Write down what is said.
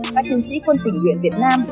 các chiến sĩ quân tỉnh huyện việt nam